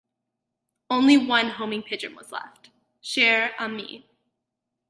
Only one homing pigeon was left: "Cher Ami".